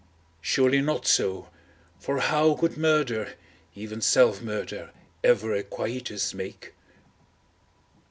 Surely not so! for how could murder, even self murder ever a quietus make?